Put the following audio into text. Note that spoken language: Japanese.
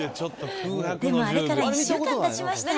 でもあれから１週間たちました。